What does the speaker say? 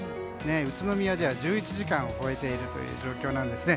宇都宮では１１時間を超えているという状況なんですね。